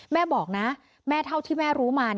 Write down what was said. แม่บอกนะแม่เท่าที่แม่รู้มา